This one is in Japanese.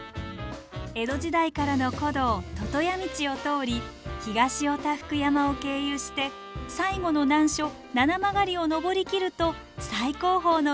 江戸時代からの古道魚屋道を通り東おたふく山を経由して最後の難所七曲りを登りきると最高峰の頂が待っています。